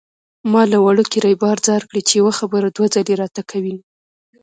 ما له وړوکي ريبار ځار کړې چې يوه خبره دوه ځلې راته کوينه